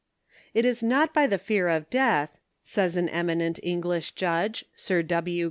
"It is not by the fear of death," says an eminent English judge. Sir W.